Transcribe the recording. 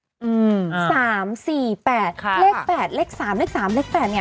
สามสี่แปดเลขแปดเลขสามเลขสามเลขแปดเนี่ย